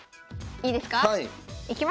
いいですか？